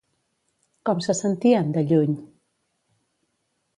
Com se sentien, de lluny?